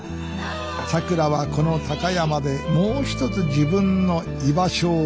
さくらはこの高山でもう一つ自分の居場所を見つけたようですな